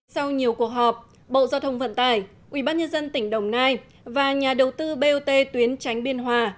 sau nhiều cuộc họp bộ giao thông vận tải ubnd tỉnh đồng nai và nhà đầu tư bot tuyến tránh biên hòa